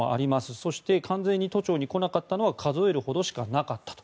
そして、完全に都庁に来なかったのは数えるくらいしかなかったと。